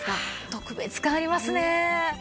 特別感ありますね。